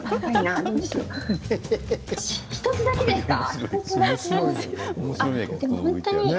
１つだけですか？